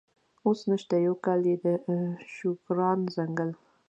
اوس نشته، یو کال یې د شوکران ځنګل.